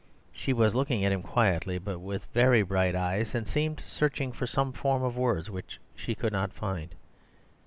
She was looking at him quietly, but with very bright eyes, and seemed to be searching for some form of words which she could not find.